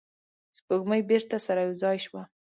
سپوږمۍ بیرته سره یو ځای شوه.